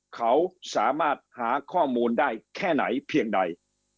เขาสามารถหาข้อมูลได้แค่ไหนเพียงใด